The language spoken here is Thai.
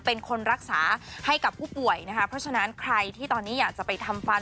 เป็นคนรักษาให้กับผู้ป่วยนะคะเพราะฉะนั้นใครที่ตอนนี้อยากจะไปทำฟัน